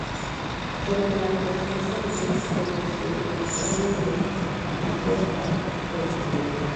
Durante la negociación con el músico, Bosio se mostró muy entusiasta con el proyecto.